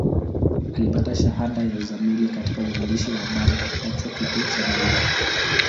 Alipata shahada ya uzamili katika uandishi wa habari kutoka Chuo Kikuu cha New York.